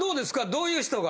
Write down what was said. どういう人が？